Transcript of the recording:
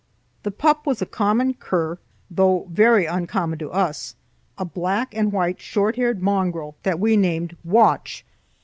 The pup was a common cur, though very uncommon to us, a black and white short haired mongrel that we named "Watch."